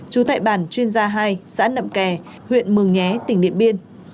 trú tại bản chuyên gia hai xã nậm kè huyện mường nhé tỉnh điện biên